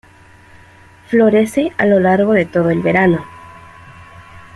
Florece a lo largo de todo el verano.